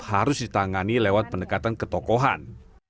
harus ditangani lewat pendekatan ketokohan